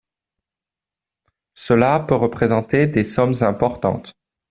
Cela peut représenter des sommes importantes.